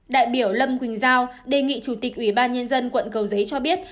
đại biểu lâm quỳnh giao đề nghị chủ tịch ủy ban nhân dân quận cầu giấy cho biết